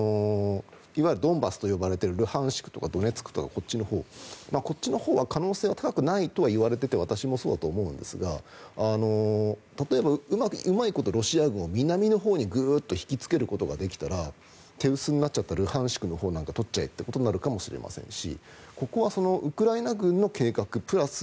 いわゆるドンバスと呼ばれているルハンシクとかドネツクとかのほうこっちのほうは可能性は高くないといわれていて私もそうだとは思うんですが例えばうまいことロシア軍を南のほうにグーッと引きつけることができたたら手薄になったルハンシクのほうなんか取っちゃえということになるかもしれませんしここはウクライナ軍の計画プラス